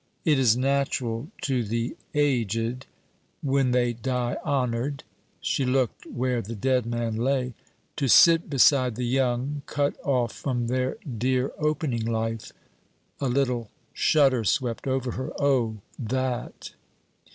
'It is natural to the aged. When they die honoured...' She looked where the dead man lay. 'To sit beside the young, cut off from their dear opening life...!' A little shudder swept over her. 'Oh! that!'